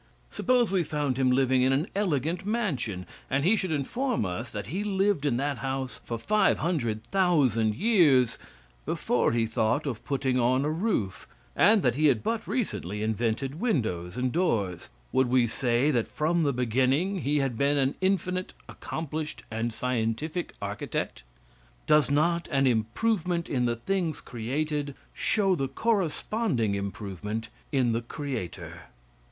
Suppose we found him living in an elegant mansion, and he should inform us that he lived in that house for five hundred thousand years before he thought of putting on a roof, and that he had but recently invented windows and doors; would we say that from the beginning he had been an infinite accomplished and scientific architect. Does not an improvement in the things created, show the corresponding improvement in the creator?